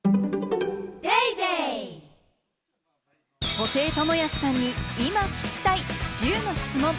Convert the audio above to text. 布袋寅泰さんに今聞きたい１０の質問。